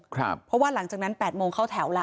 เพราะว่าหลังจากนั้น๘โมงเข้าแถวล่ะ